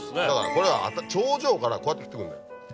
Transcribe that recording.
これは頂上からこうやって切ってくんだよ。